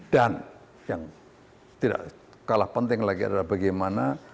dan yang tidak kalah penting lagi adalah bagaimana